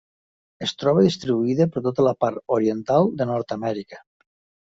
Es troba distribuïda per tota la part oriental de Nord-amèrica.